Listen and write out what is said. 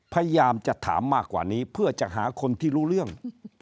พยายามจะถามมากกว่านี้เพื่อจะหาคนที่รู้เรื่อง